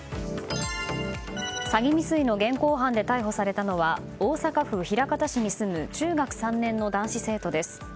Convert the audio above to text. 詐欺未遂の現行犯で逮捕されたのは大阪府枚方市に住む中学３年の男子生徒です。